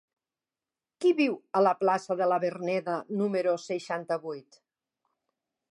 Qui viu a la plaça de la Verneda número seixanta-vuit?